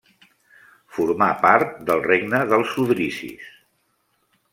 Formà part del regne dels Odrisis.